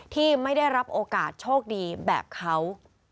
ที่ไม่ได้รับโอกาสโชคดีแบบเขา